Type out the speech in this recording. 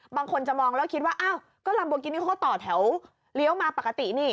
บางคนจะมองแล้วคิดว่าอ้าวก็ลัมโบกินี่เขาต่อแถวเลี้ยวมาปกตินี่